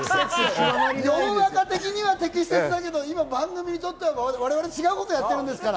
世の中的には適切だけど、今番組にとっては我々違うことやってるんですから！